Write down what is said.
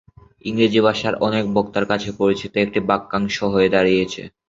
ইংরেজি ভাষার অনেক বক্তার কাছে পরিচিত একটি বাক্যাংশ হয়ে দাঁড়িয়েছে।